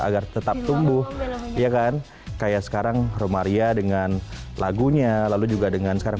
agar tetap tumbuh ya kan kayak sekarang romaria dengan lagunya lalu juga dengan sekarang